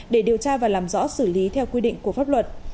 để điều tra và làm rõ xử lý theo quy định của pháp luật